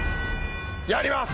やります！